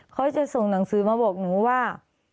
เขาจะส่งหนังสือมาบอกหนูว่า